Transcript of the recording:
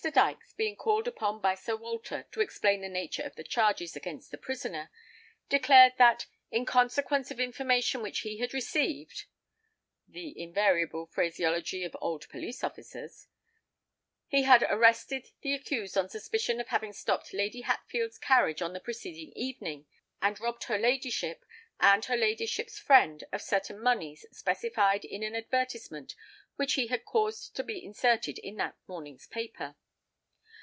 Dykes, being called upon by Sir Walter to explain the nature of the charge against the prisoner, declared that, "in consequence of information which he had received," (the invariable phraseology of old police officers,) "he had arrested the accused on suspicion of having stopped Lady Hatfield's carriage on the preceding evening, and robbed her ladyship and her ladyship's friend of certain monies specified in an advertisement which he had caused to be inserted in that morning's paper."